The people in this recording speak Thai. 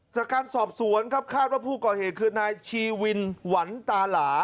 จากการสอบสวนครับคาดว่าผู้ก่อเหตุคือนายชีวินหวันตาหลา